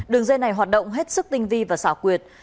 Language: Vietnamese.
đường dây này hoạt động hết sức tinh vi và xảo quyệt